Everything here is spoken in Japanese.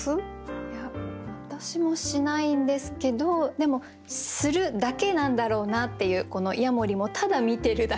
いや私もしないんですけどでもするだけなんだろうなっていうこのヤモリもただ見てるだけっていう。